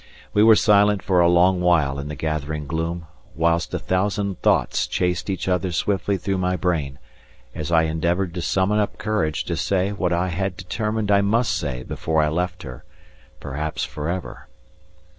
We were silent for a long while in the gathering gloom, whilst a thousand thoughts chased each other swiftly through my brain, as I endeavoured to summon up courage to say what I had determined I must say before I left her, perhaps for ever.